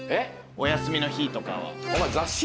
お休みの日とかは。